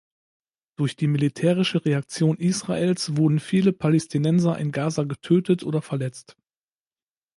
Durch die militärische Reaktion Israels wurden viele Palästinenser in Gaza getötet oder verletzt.